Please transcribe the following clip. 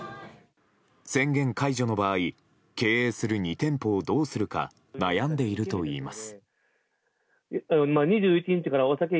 宣言解除の場合経営する２店舗をどうするか悩んでいるといいます。